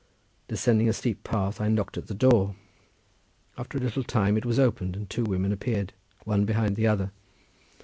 Descending a steep path, I knocked at the door. After a little time it was opened, and two women appeared, one behind the other.